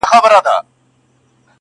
په اورېدو يې زما د زخم زړه ټکور غورځي,